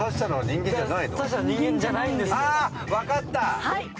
あ分かった。